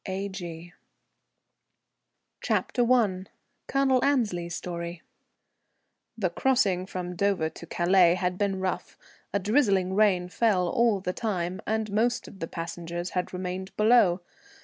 _ A.G. CHAPTER I. [Colonel Annesley's Story] The crossing from Dover to Calais had been rough; a drizzling rain fell all the time, and most of the passengers had remained below.